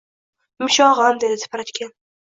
– Yumshog’im, – dedi tipratikan